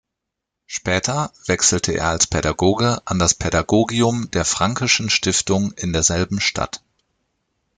Später wechselte er als Pädagoge an das Pädagogium der Franckeschen Stiftung in derselben Stadt.